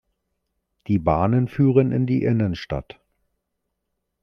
Die Bahnen führen in die Innenstadt.